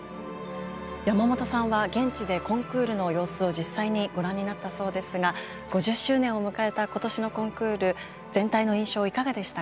山本さんは現地でコンクールの様子を実際にご覧になったそうですが５０周年を迎えた今年のコンクール全体の印象いかがでしたか？